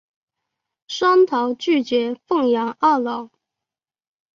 双桃拒绝奉养二老。